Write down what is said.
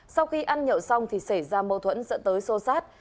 sau khi ăn nhậu xong thì xảy ra mâu thuẫn dẫn tới sô sát